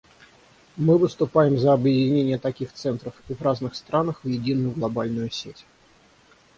Мы выступаем за объединение таких центров в разных странах в единую глобальную сеть.